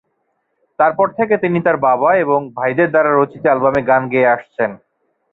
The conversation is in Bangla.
তারপর থেকে তিনি তার বাবা এবং ভাইদের দ্বারা রচিত অ্যালবামে গান গেয়ে আসছেন।